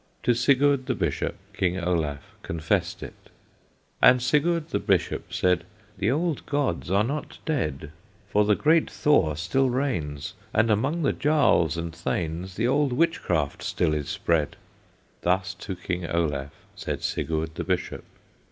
To Sigurd the Bishop King Olaf confessed it. And Sigurd the Bishop said, "The old gods are not dead, For the great Thor still reigns, And among the Jarls and Thanes The old witchcraft still is spread." Thus to King Olaf Said Sigurd the Bishop.